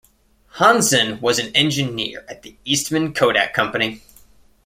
Hansen was an engineer at the Eastman Kodak Company.